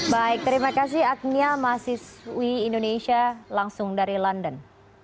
baik terima kasih agnia mahasiswi indonesia langsung dari london